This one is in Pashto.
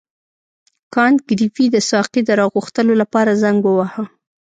کانت ګریفي د ساقي د راغوښتلو لپاره زنګ وواهه.